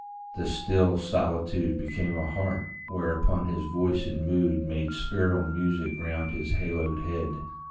The still solitude Became a harp whereon his voice and mood Made spheral music round his haloed head.